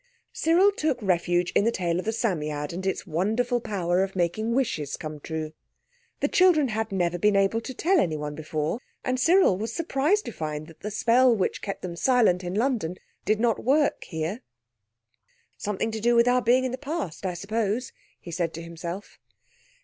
Cyril took refuge in the tale of the Psammead and its wonderful power of making wishes come true. The children had never been able to tell anyone before, and Cyril was surprised to find that the spell which kept them silent in London did not work here. "Something to do with our being in the Past, I suppose," he said to himself.